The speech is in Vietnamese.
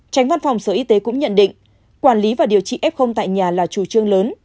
tránh văn phòng sở y tế cũng nhận định quản lý và điều trị f tại nhà là chủ trương lớn